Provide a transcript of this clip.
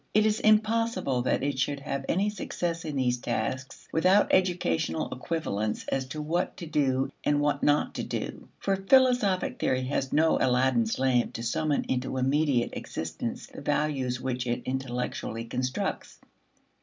It is impossible that it should have any success in these tasks without educational equivalents as to what to do and what not to do. For philosophic theory has no Aladdin's lamp to summon into immediate existence the values which it intellectually constructs.